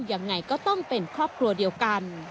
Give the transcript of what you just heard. ยังไงก็ต้องเป็นครอบครัวเดียวกัน